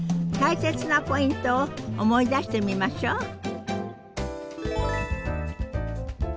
大切なポイントを思い出してみましょう。